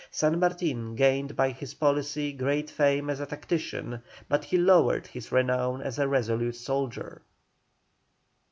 San Martin gained by his policy great fame as a tactician, but he lowered his renown as a resolute soldier.